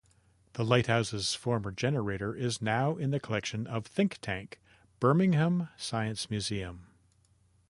The lighthouse's former generator is now in the collection of Thinktank, Birmingham Science Museum.